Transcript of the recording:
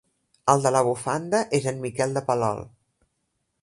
El de la bufanda és en Miquel de Palol.